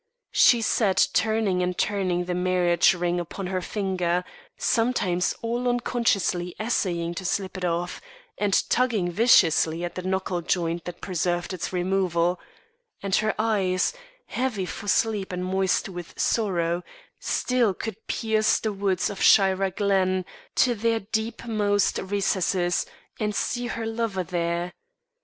She sat turning and turning the marriage ring upon her finger, sometimes all unconsciously essaying to slip it off, and tugging viciously at the knuckle joint that prevented its removal, and her eyes, heavy for sleep and moist with sorrow, still could pierce the woods of Shira Glen to their deep most recesses and see her lover there.